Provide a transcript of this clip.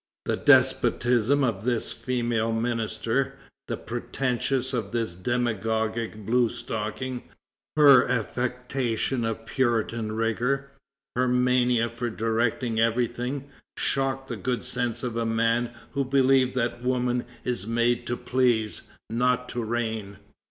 The despotism of this female minister, the pretentious of this demagogic bluestocking, her affectation of puritan rigor, her mania for directing everything, shocked the good sense of a man who believed that woman is made to please, not to reign.